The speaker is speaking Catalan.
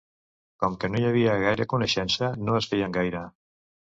Com que no hi havia gaire coneixença, no es feien gaire.